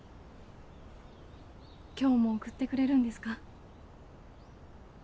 今日も送ってくれるんですか？